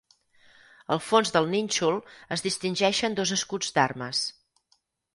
Al fons del nínxol es distingien dos escuts d'armes.